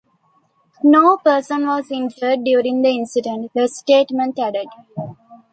No person was injured during the incident, the statement added.